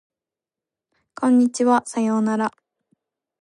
こんにちはさようなら